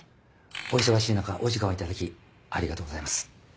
お忙しい中お時間を頂きありがとうございます。